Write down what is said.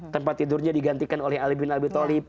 tempat tidurnya digantikan oleh alibin al bitolib